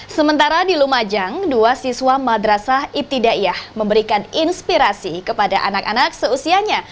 sementara di lumajang dua siswa madrasah ibtidaiyah memberikan inspirasi kepada anak anak seusianya